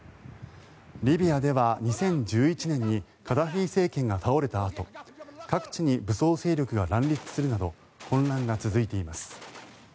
リビアでは２０１１年にカダフィ政権が倒れたあと各地に武装勢力が乱立するなど混乱が続いています。